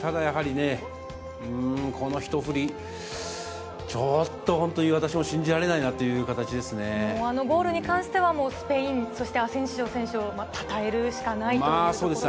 ただやはりね、この一振り、ちょっと本当、私も信じられないあのゴールに関しては、もうスペイン、そしてアセンシオ選手をたたえるしかないということですか。